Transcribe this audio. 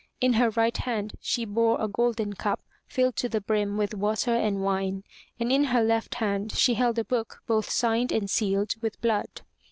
In her right hand she bore a golden cup filled to the brim with water and wine, and in her left hand she held a book both signed and sealed with blood.